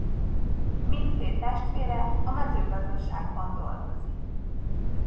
Mindkét testvére a mezőgazdaságban dolgozik.